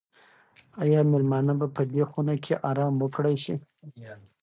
آیا مېلمانه به په دې خونه کې ارام وکړای شي؟